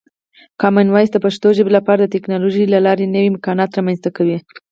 کامن وایس د پښتو ژبې لپاره د ټکنالوژۍ له لارې نوې امکانات رامنځته کوي.